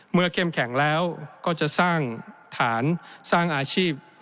เข้มแข็งแล้วก็จะสร้างฐานสร้างอาชีพ